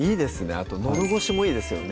あとのど越しもいいですよね